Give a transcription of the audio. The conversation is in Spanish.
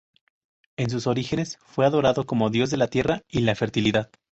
En sus orígenes fue adorado como dios de la Tierra y la fertilidad.